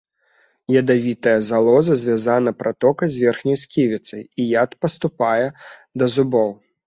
Ядавітая залоза звязана пратокай з верхняй сківіцай, і яд паступае да зубоў.